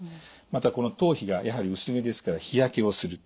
またこの頭皮がやはり薄毛ですから日焼けをする。